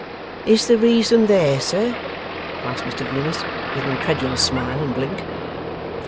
'Is the reason there, sir?' asked Mr Venus, with an incredulous smile and blink.